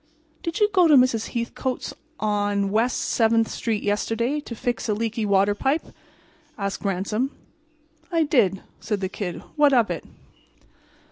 "Did you go to Mrs. Hethcote's on West 7—th street yesterday to fix a leaky water pipe?" asked Ransom. "I did," said the Kid. "What of it?"